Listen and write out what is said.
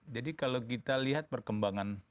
jadi kalau kita lihat perkembangan